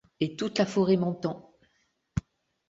Et toute la forêt m’entend…